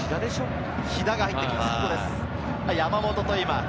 喜田が入ってきます。